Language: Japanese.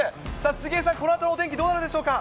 杉江さん、このあとのお天気どうなるでしょうか。